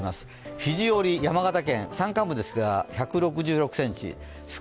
肘折、山形県、山間部ですが１６６ｃｍ、酸ケ